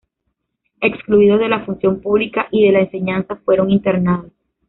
Excluidos de la función pública y de la enseñanza, fueron internados.